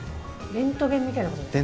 レントゲンみたいなことですか？